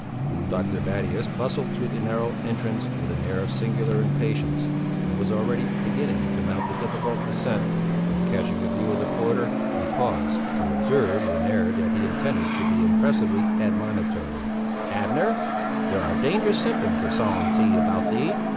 Dr. Battius bustled through the narrow entrance, with an air of singular impatience, and was already beginning to mount the difficult ascent, when catching a view of the porter, he paused, to observe with an air that he intended should be impressively admonitory— "Abner, there are dangerous symptoms of somnolency about thee!